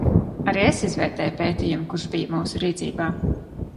Arī es izvērtēju pētījumu, kurš bija mūsu rīcībā.